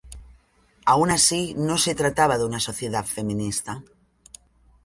Aun así, no se trataba de una sociedad feminista.